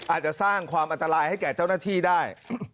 อาจจะสร้างความอันตรายให้แก่เจ้าหน้าที่ได้